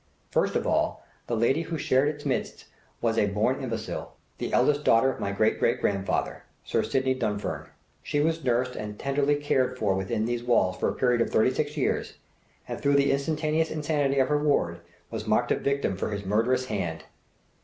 "First of all, the lady who shared its midst was a born imbecile, the eldest daughter of my great great grandfather Sir Sydney Dunfern. She was nursed and tenderly cared for within these walls for a period of thirty six years, and through the instantaneous insanity of her ward, was marked a victim for his murderous hand.